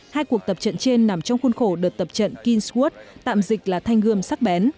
hai cuộc tập trận trên nằm trong khuôn khổ đợt tập trận kingswood tạm dịch là thanh gươm sắc bén